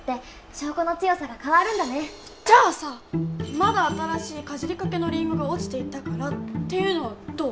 じゃあさ「まだ新しいかじりかけのリンゴが落ちていたから」っていうのはどう？